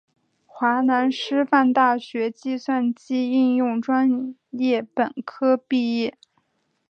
华南师范大学计算机应用专业本科毕业。